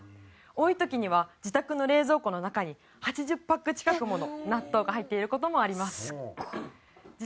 多い時には自宅の冷蔵庫の中に８０パック近くもの納豆が入っている事もあります。